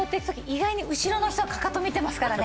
意外に後ろの人かかと見てますからね。